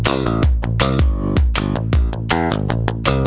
ada pak dokter